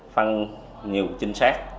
phân nhiều chính xác